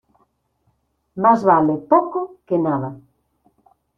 Más vale poco que nada.